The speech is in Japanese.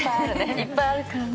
いっぱいあるからね。